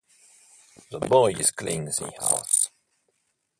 The Boy is cleaning the house.